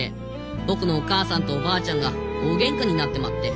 僕のお母さんとおばあちゃんが大げんかになってまって。